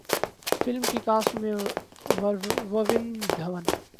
film کی cast میں ورون دھون